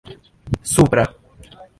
supra